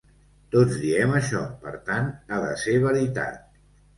Tots diem això; per tant, ha de ser veritat.